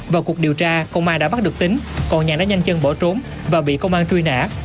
vào cuộc điều tra công an đã bắt được tính còn nhàn đã nhanh chân bỏ trốn và bị công an truy nã